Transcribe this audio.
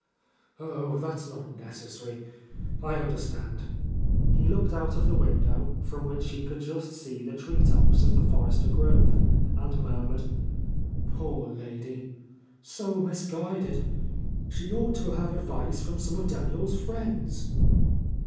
"Oh, that's not necessary 1 I understand " He looked out of the window, from which he could just see the tree tops of the Forrester grove, and murmured, "Poor ladyl So mis guided. She ought to have advice from some of Daniel's friends."